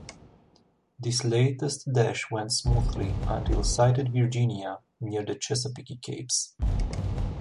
This latest dash went smoothly until sighted "Virginia" near the Chesapeake capes.